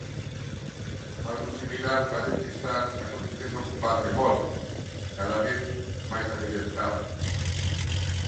Algo similar parece estar acontecendo co parque móbil, cada vez máis avellentado.